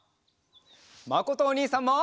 まことおにいさんも！